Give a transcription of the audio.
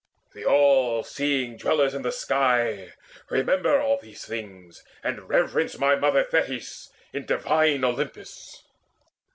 The all seeing Dwellers in the Sky Remember all these things, and reverence My mother Thetis in divine Olympus.